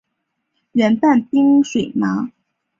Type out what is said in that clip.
圆瓣冷水麻